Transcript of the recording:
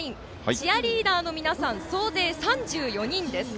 チアリーダーの皆さん総勢３４人です。